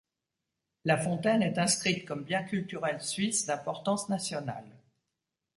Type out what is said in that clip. La fontaine est inscrite comme bien culturel suisse d'importance nationale.